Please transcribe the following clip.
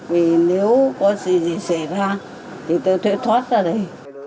vì nếu có gì gì xảy ra thì tôi sẽ thoát ra đây